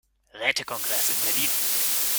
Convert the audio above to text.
Rätekongress in Berlin.